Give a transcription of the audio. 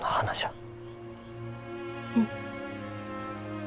うん。